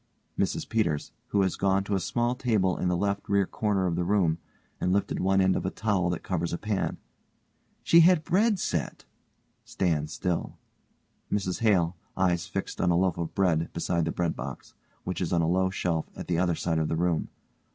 MRS PETERS: (who has gone to a small table in the left rear corner of the room, and lifted one end of a towel that covers a pan) She had bread set. (Stands still.) MRS HALE: (_eyes fixed on a loaf of bread beside the bread box, which is on a low shelf at the other side of the room.